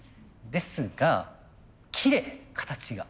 ですがきれい形が。